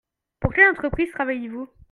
Pour quelle entreprise travaillez-vous ?